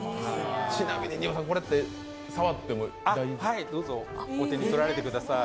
ちなみに、これって触ってもどうぞ、お手にとられてください。